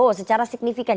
karena itu secara signifikan